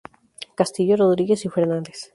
Castillo, Rodríguez y Fernández.